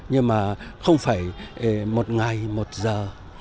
nhưng mà không phải một ngày một giờ